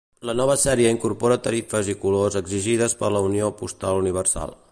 La nova sèrie incorpora tarifes i colors exigides per la Unió Postal Universal.